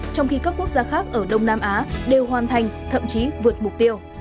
trong khi các quốc gia khác ở đông nam á đều hoàn thành thậm chí vượt mục tiêu